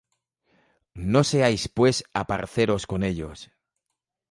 No seáis pues aparceros con ellos;